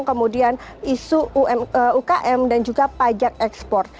kemudian isu ukm dan juga pajak ekspor